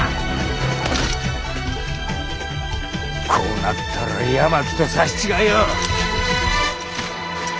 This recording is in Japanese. こうなったら八巻と刺し違えよ！